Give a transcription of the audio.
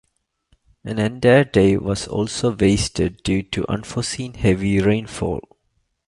An entire day was also wasted due to unforeseen heavy rainfall.